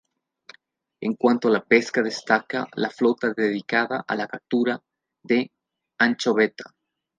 En cuanto a la pesca destaca la flota dedicada a la captura de anchoveta.